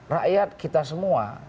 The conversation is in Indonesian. rakyat kita semua